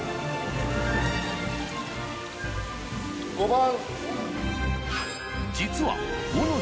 ５番。